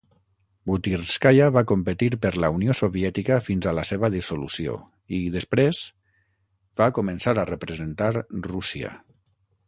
Butyrskaya va competir per la Unió Soviètica fins a la seva dissolució i, després, va començar a representar Rússia.